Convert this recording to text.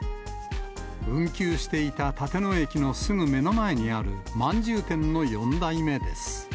運休していた立野駅のすぐ目の前にあるまんじゅう店の４代目です。